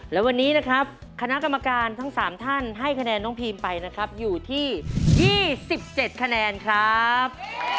และวันนี้นะครับคณะกรรมการทั้ง๓ท่านให้คะแนนน้องพีมไปนะครับอยู่ที่๒๗คะแนนครับ